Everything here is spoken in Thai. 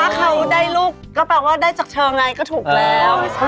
ถ้าเขาได้ลูกก็แปลว่าได้จากเชิงไงก็ถูกแล้ว